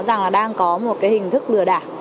rằng là đang có một cái hình thức lừa đảo